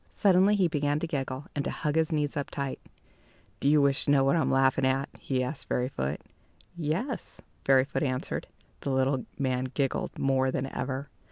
Suddenly he began to giggle, and to hug his knees up tight. "Do you wish to know what I'm laughing at?" he asked Fairyfoot. "Yes," Fairyfoot answered. The little man giggled more than ever.